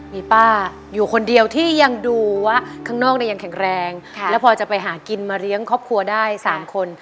มีป้าอยู่คนเดียวที่ยังดูว่าข้างนอกเนี่ยยังแข็งแรงแล้วพอจะไปหากินมาเลี้ยงครอบครัวได้๓คน